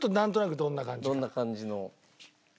どんな感じの。